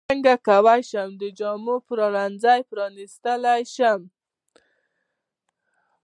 څنګه کولی شم د جامو پلورنځی پرانستلی شم